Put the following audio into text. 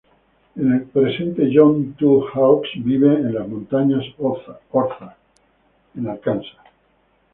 En el presente John Two-Hawks vive en las Montañas Ozark, en Arkansas.